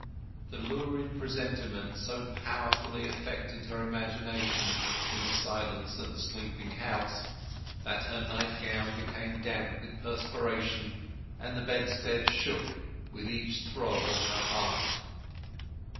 The lurid presentment so powerfully affected her imagination in the silence of the sleeping house that her nightgown became damp with perspiration, and the bedstead shook with each throb of her heart.